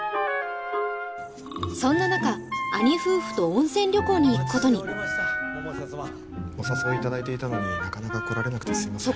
そんな中兄夫婦と温泉旅行に行くことにお誘いいただいていたのになかなか来られなくてすいません